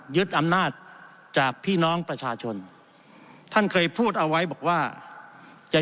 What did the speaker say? ยึดอำนาจจากพี่น้องประชาชนท่านเคยพูดเอาไว้บอกว่าจะ